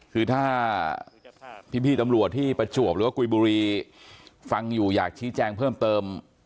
คือถ้าพี่ตำรวจที่ประจวบหรือว่ากุยบุรีฟังอยู่อยากชี้แจงเพิ่มเติม